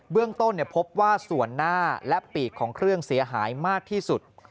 เรื่องต้นพบว่าส่วนหน้าและปีกของเครื่องเสียหายมากที่สุด